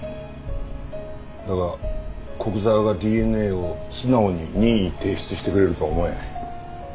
だが古久沢がＤＮＡを素直に任意提出してくれるとは思えん。